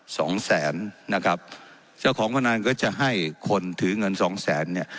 สองแสนนะครับเจ้าของพนันก็จะให้คนถือเงินสองแสนเนี่ย